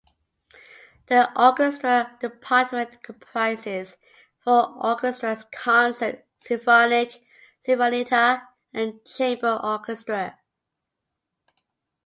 The Orchestra Department comprises four orchestras: Concert, Symphonic, Sinfonietta, and Chamber Orchestra.